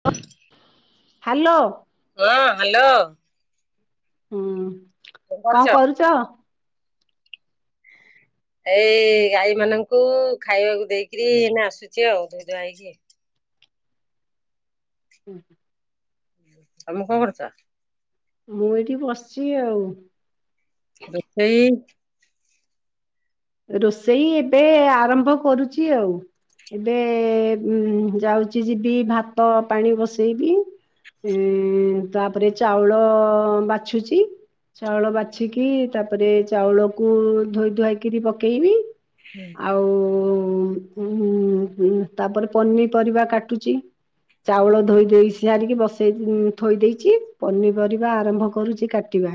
[inaudible] Hello. ହଁ hello. ହୁଁ କଣ କରୁଚ? ଏଇ ଗାଈ ମାନଙ୍କୁ ଖାଇବାକୁ ଦେଇକରି ଏଇନା ଆସୁଚି ଆଉ ଧୋଇଧୁଆ ହେଇକି। ହୁଁ ହୁଁ। ତମେ କଣ କରୁଚ? ମୁଁ ଏଇଠି ବସିଚି ଆଉ। ଏଇ ରୋଷେଇ ଏବେ ଆରମ୍ଭ କରୁଚି ଆଉ। ଏବେ ଉଁ ଉଁ ଯାଉଚି ଯିବି ଭାତ ପାଣି ବସେଇବି। ଏଁ ତାପରେ ଚାଉଳ ବାଛୁଛି। ଚାଉଳ ବାଛିକି ତାପରେ ଚାଉଳକୁ ଧୋଇ ଧୁଆକି ରି ପକେଇବି ଆଉ। ଉଁ ହୁଁ ହୁତାପରେ ପନିପରିବା କାଟୁଚି। ଚାଉଳ ଧୋଇ ଦେଇ ସାରିକି ବସେଇ ଥୋଇ ଦେଇଚି ପନିପରିବା ଆରମ୍ଭ କରୁଚ କା ଟିବା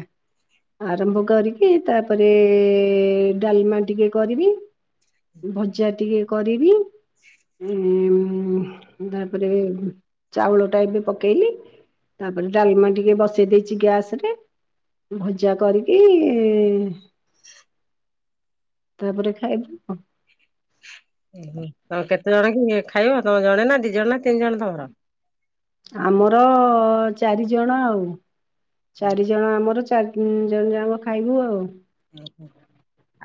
ଆରମ୍ଭ କରିକି ତାପରେ ଡାଲମା ଟିକେ କରିବି ଭଜା ଟିକେ କରିବି। ଉଁ [unintelligible] ତାପରେ ଚାଉଳଟା ଏବେ ପକେଇଲି। ତାପରେ ଡାଲମା ଟିକେ ବସେଇ ଦେଇଛି ଗ୍ୟାସ ରେ ଭଜା କରିକି [inaudible] ତାପରେ ଖାଇବୁ କ ଓହୋ ତ କେତେ ଜଣ କି ଖାଇବ ତମ ଜଣେ ନା ଦି ଜଣ ନା ତିନି ଜଣ ତମର ଆମର ଚାରିଜଣ ଆଉ ହୁଁ ଚାରି ଜଣ ଆମର ଚାରି ଜଣ ଯାକ ଖାଇବୁ ଆଉ ହୁଁ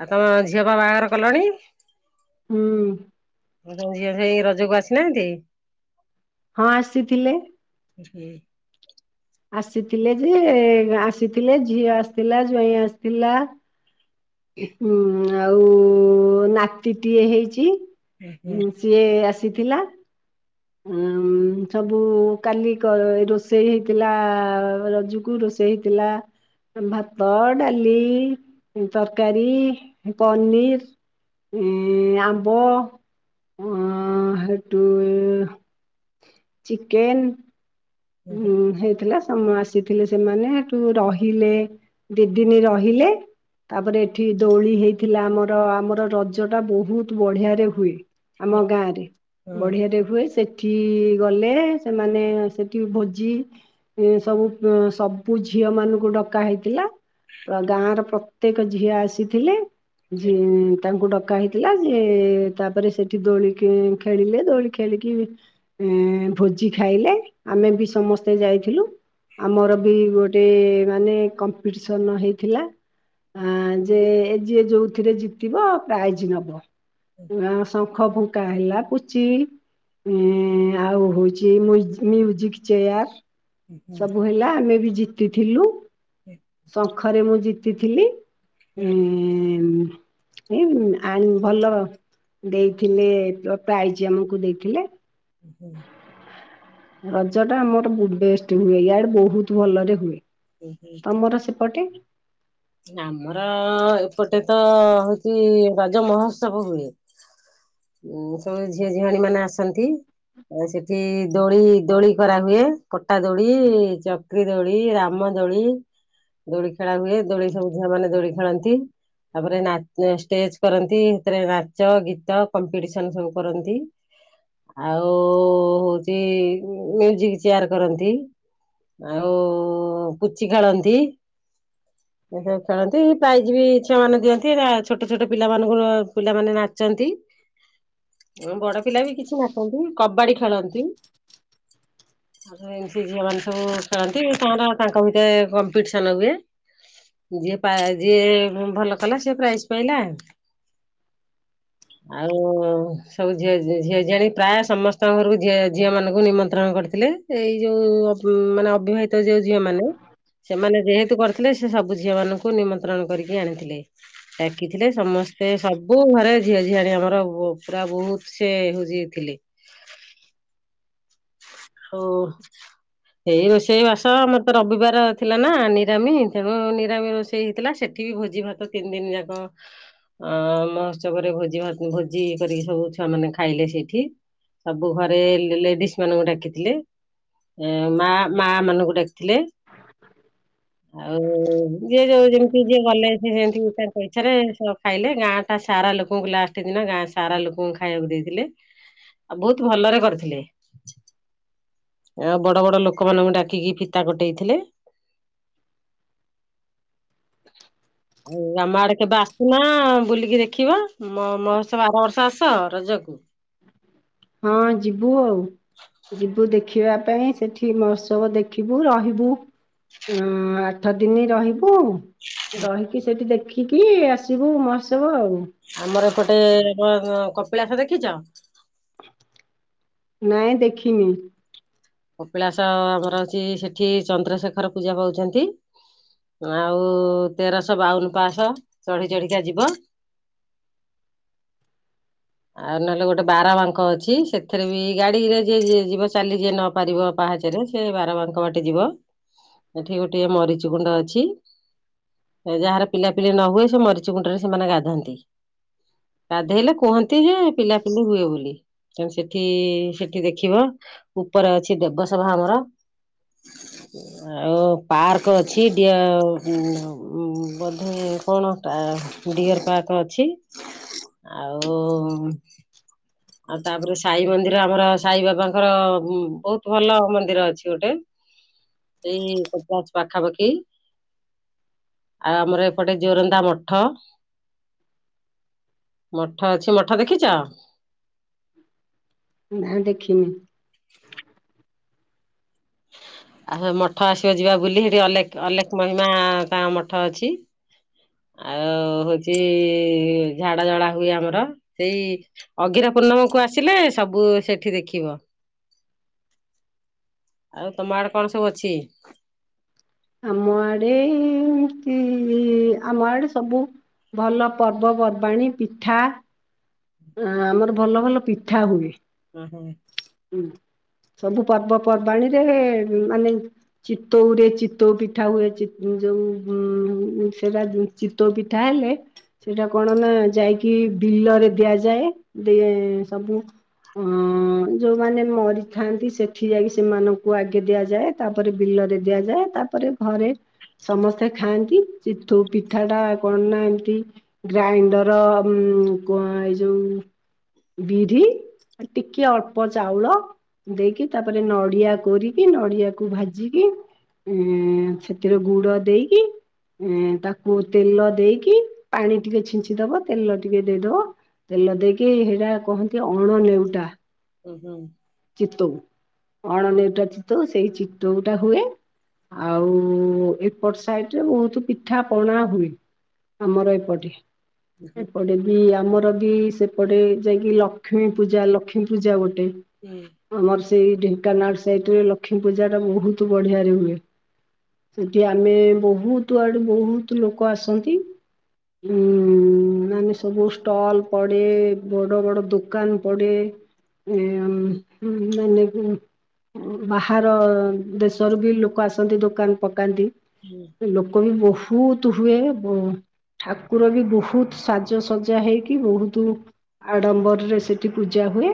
ଆଉ ତମ ଝିଅ ବା ବାହାଘର କଲଣି ହୁଁ ଯୋଉ ଝିଅ ଏଇ ରଜ କୁ ଆସିନାହାନ୍ତି। ହଁ ଆସିଥିଲେ ସେ [unintelligible] ଆସିଥିଲେ ଯେ ଆସିଥିଲେ ଝିଅ ଆସିଥିଲା ଜ୍ୱାଇଁ ଆସିଥିଲା ହୁଁ ଆଉ ନାତିଟିଏ ହେଇଛି ସିଏ ଆସିଥିଲା ହଁ ସବୁ କାଲି କ ରୋଷେଇ ହେଇଥିଲା ରଜକୁ ରୋଷେଇ ହେଇଥିଲା ଭାତ ଡାଲି ତରକାରୀ ପନିର ଉଁ ଆମ୍ବ ଅ ହେଟୁ ଚିକେନ ଉ ହେଇଥିଲା ସମ ଆସି ଥିଲେ ସେମାନେଠୁ ରହିଲେ ଦି ଦିନି ରହିଲେ ତାପରେ ଏଠି ଦୋଳି ହେଇଥିଲା ଆମର ଆମର ରଜ ଟା ବହୁତ ବଢିଆରେ ହୁଏ। ଆମ ଗାଁରେ ବଢିଆ ରେ ହୁଏ ସେଠି ଗଲେ ସେମାନେ ଭୋଜି ଏ ସବୁ ସବୁ ଝିଅ ମାନଙ୍କୁ ଡକା ହେଇଥିଲା ଗାଁ ର ପ୍ରତ୍ୟେକ ଝିଅ ଆସିଥିଲେ ଝୀ ତାଙ୍କୁ ଡକା କହିଥିଲା ଯେ ତାପରେ ସେଠି ଦୋଳିିକି ଖେଳି ଖେଳିଲେ ଦୋଳି ଖେଳିକି ଉ - ଭୋଜି ଖାଇଲେ ଆମେ ବି ସମସ୍ତେ ଯାଇଥିଲୁ ଆମର ବି ଗୋଟେ ମାନେ କମ୍ପିଟିସନ ହେଇଥିଲା ଆ ଯେ ଏ ଯିଏ ଯୋଉଥିରେ ଜିତିବ ପ୍ରାଇଜ୍ ନବ [unintelligible] ଶଙ୍ଖ ଫୁଙ୍କା ହେଲା ପୁଚି ଏ ଆଉ ହଉଚି ମୁରୁ ମ୍ୟୁଜିକ୍ ଚେୟାର୍ ସବୁ ହେଲା ଆମେ ବି ଜିତିଥିଲୁ ହୁଁ ଶଙ୍ଖରେ ମୁଁ ଜିତିଥିଲି ଉ ଏ ଆ ଭଲ ଦେଇଥିଲେ ପ୍ରାଇଜ ଆମକୁ ଦେଇଥିଲେ ହୁଁ ରଜ ଟା ଆମର ବେ ବେଷ୍ଟ ହୁଏ ୟାଆଡେ ବହୁତ ଭଲରେ ହୁଏ। ତମର ସେପଟେ ଆମର ଏପଟେ ତ ହଉଛି ରଜ ମହୋତ୍ସବ ହୁଏ। ଉଁ ସବୁ ଝିଅ ଝିଅଣୀ ମାନେ ଆସନ୍ତି ଆ ସେଠି ଦୋଳି ଦୋଳି କରାହୁଏ କଟା ଦୋଳି ଚ ଦୋଳି ରାମ ଦୋଳି ଦୋଳି ଖେଳା ହୁଏ ଦୋଳି ସବୁ ଝିଅ ମାନେ ଦୋଳି ଖେଳନ୍ତି। ତାପରେ ନା ଷ୍ଟେଜ କରନ୍ତି ସେଥିରେ ନାଚ ଗୀତ କମ୍ପିଟିସନ ସବୁ କରନ୍ତି ଆଉ ହଉଛି ମ୍ୟୁଜିକ ଚେୟାର କରନ୍ତି। ଆଉ ପୁଚି ଖେଳନ୍ତି ଏସବୁ ଖେଳନ୍ତି ପାଇଜ ବି ଛୁଆନେ ଦିଅନ୍ତି ଛୋଟ ଛୋଟ ପିଲାମାନାନଙ୍କୁ ପିଲାମାନେ ନାଚନ୍ତି [inaudible] ହଁ ବଡ଼ ପିଲାବି କିଛି ନାଚନ୍ତି କବାଡି ଖେଳନ୍ତି। ତାପରେ ଏମିତି ଝିଅ ମାନେ ସବୁ ଖେଳନ୍ତି ତାଙ୍କର ତାଙ୍କ ଭିତରେ କମ୍ପିଟିସନ୍ ହୁଏ। ଯିଏ ପା ଯିଏ ଭଲ କଲା ସେପ୍ରାଇଜ୍ ପାଇଲା। [inaudible] ଆଉ ସବୁ ଝିଅ ଝିଅ ଝିଆଣୀ ପ୍ରାୟ ସମସ୍ତଙ୍କ ଘରକୁ ଝିଅ ମାନଙ୍କୁ ନିମନ୍ତ୍ରଣ କରିଥିଲେ। ଏଇ ଯୋଉ ମାନେ ଅବିବାହିତ ଯୋଉ ଝିଅ ମାନେ ସେମାନେ ଯେହେତୁ କରିଥିଲେ ସେ ସବୁ ସବୁ ଝିଅ ମାନଙ୍କୁ ନିମନ୍ତ୍ରଣ କରିକି ଆଣିଥିଲେ। ଡାକିଥିଲେ ସମସ୍ତେ ସବୁ ଘରେ ଝିଅ ଝିଆଣୀ ଆମର ପୁରା ବହୁତସେ ହଉଚି ଥିଲେ। ହଁ। ସେଇ ରୋଷେଇ ବାସ ଆମରତ ରବିବାର ଥିଲାନା ନିରାମି ତେଣୁ ନିରାମି ରୋଷେଇ ହେଇଥିଲା ସେ ସେଠି ଭୋଜି ଭାତ ତିନି ଦିନ ଯାକ ଅ ମହୋତ୍ସବରେ ଭୋଜି ଭା ଭୋଜି କରିକି ସବୁ ଛୁଆ ମାନେ ଖାଇଲେ ସେଇଠି। ସବୁ ଘରେ ଲେଡିସ୍ ମାନଙ୍କୁ ଡାକିଥିଲେ ମା ମା ମାନଙ୍କୁ ଡାକି ଥିଲେ। ଆଉ ଯିଏ ଯୋଉ ଯେମିତି ଯିଏ ଗଲେ ସିଏ ସେମିତି ତାଙ୍କ ଇଚ୍ଛାରେ ଖାଇଲେ ଗାଁଟା ସାରା ଲୋକଙ୍କୁ ଲାଷ୍ଟ ଦିନ ଗାଁ ସାରା ଲୋକଙ୍କୁ ଖାଇବାକୁ ଦେଇଥିଲେ। ଆଉ ବହୁତ୍ ଭଲରେ କରିଥିଲେ। ଆ ବଡ଼ ବଡ଼ ଲୋକମାନଙ୍କୁ ଡାକିକି ଫିତା କଟେଇଥିଲେ। [inaudible] ଆଉ ଆମ ଆଡ଼େ କେବେ ଆସୁନ ବୁଲିକି ଦେଖିବ ମ ମହୋତ୍ସବ ଆର ବର୍ଷ ଆସ ରଜକୁ? ହଁ ଯିବୁ ଆଉ। ଯିବୁ ଦେଖିବା ପାଇଁ ସେଠି ମହୋତ୍ସବ ଦେଖିବୁ ରହିବୁ। ଉଁ ଆଠ ଦିନି ରହି ବୁ ରହିକି ସେଠି ଦେଖିକି ଆସିବୁ ମହୋତ୍ସବ ଆଉ। ଆମର ଏପଟେ ଆମ କପିଳାସ ଦେଖିଚ? ନାଇଁ ଦେଖିନି। କପିଳାସ ଆମର ଅଛି ସେଠି ଚନ୍ଦ୍ରଶେଖର ପୂଜା ପାଉଚନ୍ତି। ଆଉ ତେରଶହ ବାଉନ ପାହାଚ ଚଢି ଚଢିକା ଯିବ। [inaudible] ଆଉ ନହେଲେ ଗୋଟେ ବାର ବାଙ୍କ ଅଛି ସେଥିରେ ବି ଗାଡ଼ିରେ ଯିଏ ଯିବ ଚାଲି ଯିଏ ନ ପାରିବ ପାହାଚରେ ସେ ବାର ବାଙ୍କ ବାଟେ ଯିବ। ଏଠି ଗୋଟିଏ ମରିଚି ଗୁଣ୍ଡ ଅଛି। ଯାହାର ପିଲାପିଲି ନହୁଏ ସେମରିଚ ଗୁଣ୍ଡରେ ସେମାନେ ଗାଧାନ୍ତି। ଗାଧେଇଲେ କୁହନ୍ତିଯେ ପିଲା ପିଲି ହୁଏ ବୋଲି। ସେଠି ସେଠି ଦେଖିବ ଉପରେ ଅଛି ଦେବସଭା ଆମର। [inaudible] ଆଉ ପାର୍କ ଅଛି ଡିଅ ବୋଧେ କଣ ଆଁ ଡିଅର୍ ପାର୍କ ଅଛି ଆଉ ଆଉ ତାପରେ ସାଇ ମନ୍ଦିର ଆମର ସାଇ ବାବାଙ୍କର ବହୁତ୍ ଭଲ ମନ୍ଦିର ଅଛି ଗୋଟେ। [inaudible] ସେଇ କପିଳାସ ପାଖାପାଖି। ଆଉ ଆମର ଏପଟେ ଜୋରନ୍ଦା ମଠ। ମଠ ଅଛି ମଠ ଦେଖିଛ? ନା ଦେଖିନି। ଆଉ ମଠ ଆସିବ ଯିବା ବୁଲି ସେଠି ଅଲେଖ ଅଲେଖ ମହିମା ତାଙ୍କ ମଠ ଅଛି। ଆଉ ହଉଛି ଝାଡ଼ ଜଳା ହୁଏ ଆମର ସେଇ ଅଗିରା ପୂର୍ଣ୍ଣିମାକୁ ଆସିଲେ ସବୁ ସେଠି ଦେଖିବ। ଆଉ ତମ ଆଡ଼େ କଣ ସବୁ ଅଛି? ଆମ ଆଡ଼େ ଏମତି ଆମ ଆଡ଼େ ସବୁ ଭଲ ପର୍ବପର୍ବାଣୀ ପିଠା ଆ ଆମର ଭଲ ଭଲ ପିଠା ହୁଏ। ହୁଁ ହୁଁ। ହୁଁ ସବୁ ପର୍ବପର୍ବାଣୀରେ ମାନେ ଚିତଉରେ ଚିତଉ ପିଠା ହୁଏ। ଯୋଉ ଉଁ ସେଟା ଚିତଉ ପିଠା ହେଲେ ସେଇଟା କଣ ନା ଯାଇକି ବିଲରେ ଦିଆଯାଏ ଦ ସବୁ ଅଁ ଯୋଉମାନେ ମରିଥାନ୍ତି ସେଠି ଯାଇକି ସେମାନଙ୍କୁ ଆଗେ ଦିଆଯାଏ। ତାପରେ ବିଲରେ ଦିଆଯାଏ। ତାପରେ ଘରେ ସମସ୍ତେ ଖାଆନ୍ତିୁ। ଚିତଉ ପିଠାଟା କଣ ନା ଏମିତି ଗ୍ରାଇଣ୍ଡର ଉଁ କଣ ଏଇ ଯୋଉ ବିରି ଟିକେ ଅଳ୍ପ ଚାଉଳ ଦେଇକି ତାପରେ ନଡ଼ିଆ କରିକି ନଡ଼ିଆକୁ ଭାଜିକି ଏ ସେଥିରେ ଗୁଡ଼ ଦେଇକି ଏ ତାକୁ ତେଲ ଦେଇକି ପାଣି ଟିକେ ଛିଞ୍ଚି ଦବ ତେଲ ଟିକେ ଦେଇଦବ। ତେଲ ଦେଇକି ସେଇଟା କହନ୍ତି ଅଣ ନେଉଟା। ଓ ହୋ। ଚିତଉ ଅଣନେଉଟା ଚିତଉ ସେଇ ଚିତଉଟା ହୁଏ। ଆଉ ଏପଟ ସାଇଡରେ ବହୁତ ପିଠା ପଣା ହୁଏ। ଆମର ଏପଟେ ଏପଟ [unintelligible] ବି ଆମର ବି ସେପଟେ ଯାଇକି ଲକ୍ଷ୍ମୀ ପୂଜା ଲକ୍ଷ୍ମୀ ପୂଜା ଗୋଟେ ହୁଁ। ଆମର ସେଇ ଢେଙ୍କାନାଳ ସାଇଡରେ ଲକ୍ଷ୍ମୀ ପୂଜା ଟା ବହୁତ ବଢ଼ିଆରେ ହୁଏ। ସେଠି ଆମେ ବହୁତ ଆଡୁ ବହୁତ ଲୋକ ଆସନ୍ତି। ଉ ମାନେ ସବୁ ଷ୍ଟଲ ପଡ଼େ ବଡ଼ ବଡ଼ ଦୋକାନ ପଡ଼େ। ଉଁ ମାନେ ବାହାର ଦେଶରୁ ବି ଲୋକ ଆସନ୍ତି ଦୋକାନ ପକାନ୍ତି। ହୁଁ ଲୋକ ବି ବହୁତ ହୁଏ ବ ଠାକୁର ବି ବହୁତ ସାଜସଜା ହେଇକି ବହୁତୁ ଆଡ଼ମ୍ବରରେ ସେଠି ପୂଜା ହୁଏ।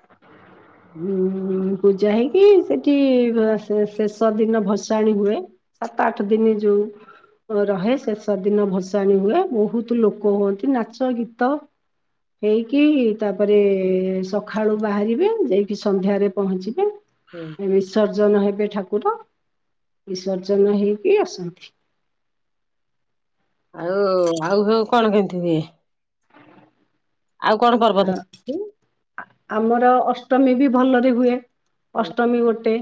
[unintelligible] ଉଁ ପୂଜା ହେଇକି ସେଠି ଶେଷ ଦିନ ଭସାଣି ହୁଏ। ସାତ ଆଠ ଦିନି ଯଉ ରହେ ଶେଷ ଦିନ ଭସାଣି ହୁଏ। ବହୁତ ଲୋକ ହୁଅନ୍ତି ନାଚ ଗୀତ ହେଇକି ତାପରେ ସ ସଖାଳୁ ବାହାରିବେ ଯାଇକି ସନ୍ଧ୍ୟାରେ ପହଞ୍ଚିବେ। ହୁଁ ବିସର୍ଜନ ହେବେ ଠାକୁର, ବିସର୍ଜନ ହେଇକି ଆସନ୍ତି। ଆଉ ଆଉ ହଉ କଣ କେମିତି ହୁଏ? ଆଉ କଣ ପର୍ବ ଆ ଅଛି? ଆମର ଅଷ୍ଟମୀ ବି ଭଲରେ ହୁଏ। ଅଷ୍ଟମୀ ଗୋଟେ।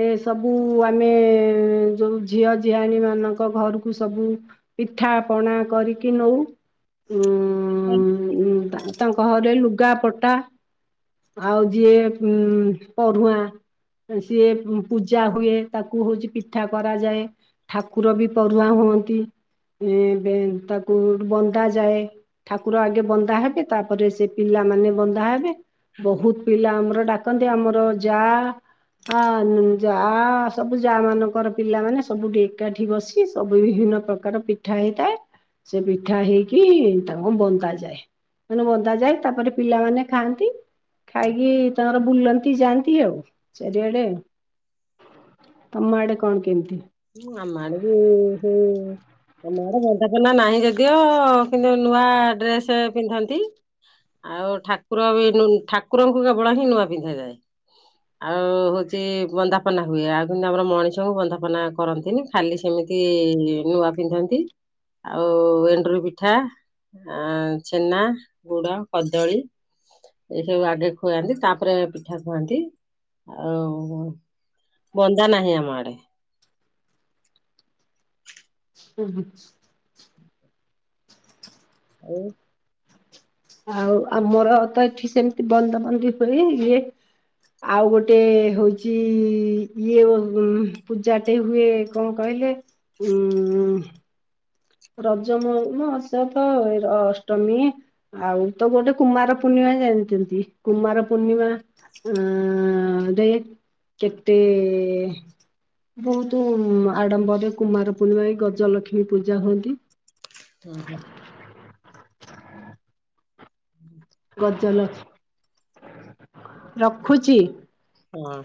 ଏ ସବୁ ଆମେ ଯୋଉ ଝିଅ ଝିଆଣୀ ମାନଙ୍କ ଘରକୁ ସବୁ ପିଠା ପଣା କରିକି ନଉ ଉଁ ତାଙ୍କ ଘରେ ଲୁଗା ପଟା ଆଉ ଯିଏ ଉ ପଢୁଆ। ସିଏ ପୂଜା ହୁଏ ତାକୁ ହଉଛି ପିଠା କରାଯାଏ। ଠାକୁର ବି ପରୁଆ ହୁଅନ୍ତି। ଏଁ ତାକୁ ବନ୍ଦା ଯାଏ ଠାକୁର ଆଗେ ବନ୍ଦା ହେବେ। ତାପରେ ସେ ପିଲାମାନେ ବନ୍ଧା ହେବେ ବହୁତ ପିଲା ଆମର ଦାକନ୍ତି ଆମର ଯା ହ ଯା ସବୁ ଯା ମାନଙ୍କର ପିଲାମାନେ ସବୁଠି ଏକାଠି ବସି ସବୁ ବିଭିନ୍ନ ପ୍ରକାର ତାଙ୍କର ପିଠା ହେଇଥାଏ ସେ ପିଠା ହେଇକି ତାଙ୍କୁ ବନ୍ଦା ଯାଏ। ମାନେ ବନ୍ଦା ଯାଏ ତାପରେ ପିଲାମାନେ ଖାଆନ୍ତି ଖାଇକି ତ ବୁଲନ୍ତି ଯାଆନ୍ତି ଆଉ ଚାରିଆଡ଼େ। ତମ ଆଡେ କଣ କେମିତି? ହଁ ଆମ ଆଡ଼େ ବି ହଁ ଆମ ଆଡେ ବନ୍ଧାପନା ନାହିଁ ଯଦିଓ କିନ୍ତୁ ନୂଆ ଡ୍ରେସ ପିନ୍ଧନ୍ତି। ଆଉ ଠାକୁର ବି ଠାକୁରଙ୍କୁ କେବଳ ହିଁ ନୂଆ ପିନ୍ଧାଯାଏ। ଆଉ ହଉଛି ବନ୍ଦାପନା ହୁଏ ଆଉ କିନ୍ତୁ ଆମର ମଣିଷଙ୍କୁ ବନ୍ଦାପନା କରନ୍ତିନି ଖାଲି ସେମିତି ନୂଆ ପିନ୍ଧନ୍ତି। ଆଉ ଏଣ୍ଡୁରି ପିଠା ଆ ଛେନା, ଗୁଡ, କଦଳୀ ଏସବୁ ଆଗେ ଖୁଆନ୍ତି ତାପରେ ପିଠା ଖୁଆନ୍ତି ଆଉ ବନ୍ଦା ନାହିଁ ଆମ ଆଡ଼େ। [unintelligible] ଆଉ ଆଉ ଆମର ତ ଏଠି ସେମିତି ବନ୍ଦା ବନ୍ଦୀ ହୁଏ ଇଏ ଆଉ ଗୋଟେ ହଉଚି ଇଏ ପୂଜାଟେ ହୁଏ। କଣ କହିଲେ ଉଁ ରଜ ମୋ [unintelligible] ଅଷ୍ଟମୀ ଆଉ ତ ଗୋଟେ କୁମାର ପୂର୍ଣ୍ଣିମା ଜାଣିଛନ୍ତି କୁମାର ପୂର୍ଣ୍ଣିମା। ଆ ଦେ କେତେ ବହୁତ ଆଡ଼ମ୍ବରେ କୁମାର ପୂର୍ଣ୍ଣିମା ଗଜଲକ୍ଷ୍ମୀ ପୂଜା ହୁଅନ୍ତି। ଉହୁଁ। ହୁଁ। ଗଜଲ ରଖୁଛି। ହଁ।